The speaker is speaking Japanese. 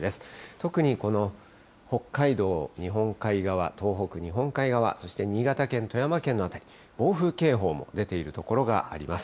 特に、この北海道日本海側、東北日本海側、そして新潟県、富山県の辺り、暴風警報も出ている所があります。